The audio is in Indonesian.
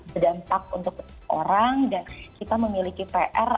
berdampak untuk orang dan kita memiliki pr